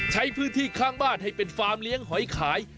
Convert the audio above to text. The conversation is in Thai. ใช้พื้นที่ข้างบ้านให้เป็นฟาร์มเลี้ยงหอยขาย